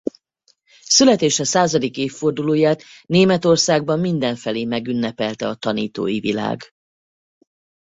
Születése századik évfordulóját Németországban mindenfelé megünnepelte a tanítói világ.